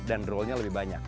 dan roll nya lebih banyak